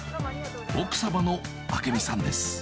奥様の朱美さんです。